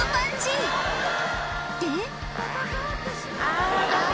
で